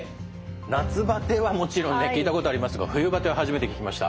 夏バテはもちろん聞いたことありますが冬バテは初めて聞きました。